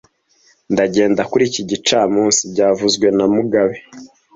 Ndagenda kuri iki gicamunsi byavuzwe na mugabe